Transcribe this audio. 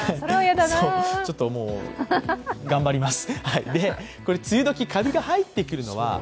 ちょっともう頑張ります。